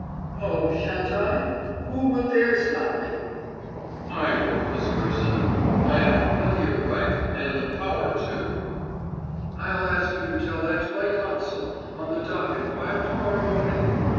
"Oh, shan't I? Who will dare stop me?" "I will, Miss Gerson. I have plenty of right and the power, too." "I'll ask you to tell that to my consul on the dock at five to morrow morning.